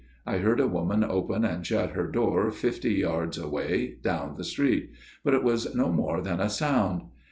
I heard a woman open and shut her door fifty yards away down the street ; but it was no more than a sound.